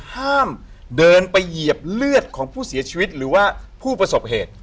ห้ามเดินไปเหยียบเลือดของผู้เสียชีวิตหรือว่าผู้ประสบเหตุ